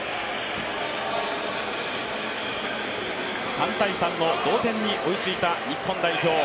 ３−３に追いついた日本代表。